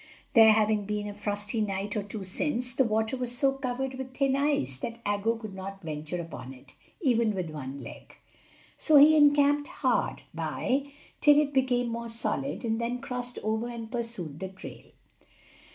There having been a frosty night or two since, the water was so covered with thin ice that Aggo could not venture upon it, even with one leg. So he encamped hard by till it became more solid, and then crossed over and pursued the trail.